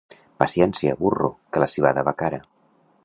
Paciència, burro, que la civada va cara.